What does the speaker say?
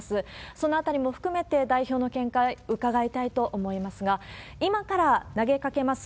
そのあたりも含めて、代表の見解、伺いたいと思いますが、今から投げかけます